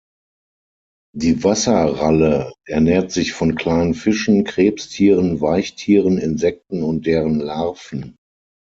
Die Wasserralle ernährt sich von kleinen Fischen, Krebstieren, Weichtieren, Insekten und deren Larven.